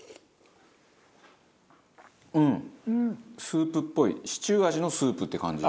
スープっぽいシチュー味のスープって感じ。